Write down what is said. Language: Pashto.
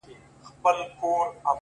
بيا ولې ستا د ښايست هغه عالمگير ورک دی